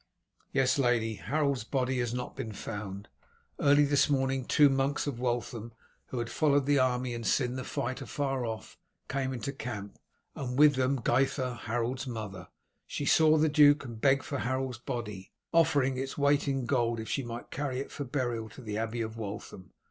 "Yes, lady; Harold's body has not been found. Early this morning two monks of Waltham, who had followed the army and seen the fight afar off, came into camp, and with them Gytha, Harold's mother. She saw the duke, and begged for Harold's body, offering its weight in gold if she might carry it for burial to the Abbey of Waltham.